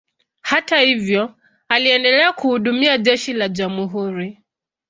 Hata hivyo, aliendelea kuhudumia jeshi la jamhuri.